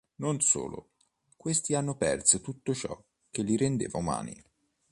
Non solo: questi hanno perso tutto ciò che li rendeva umani.